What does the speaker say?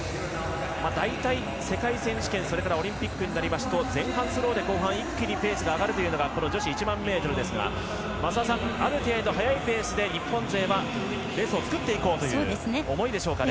大体、世界選手権オリンピックになりますと前半スローで後半、一気にペースが上がるのがこの女子１００００ｍですが増田さんある程度早いペースで日本勢はレースを作っていこうという思いですかね。